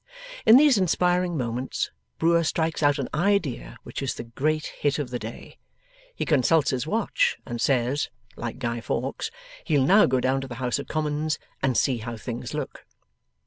In these inspiring moments, Brewer strikes out an idea which is the great hit of the day. He consults his watch, and says (like Guy Fawkes), he'll now go down to the House of Commons and see how things look.